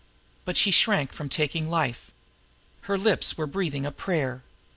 But she shrank from taking life. Her lips were breathing a prayer.